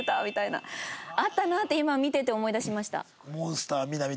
あったなあって今見てて思い出しました。